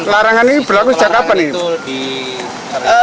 larangan ini berlaku sejak kapan nih